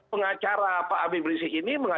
undein studi susung di bakar